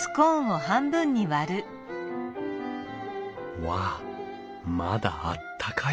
うわあまだあったかい。